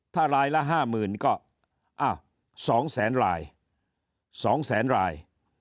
ถ้ารายละ๕๐เงินก็๒๐๐ล้านบาท๒๐๐ล้านบาท